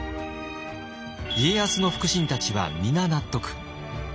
家康の腹心たちは皆納得。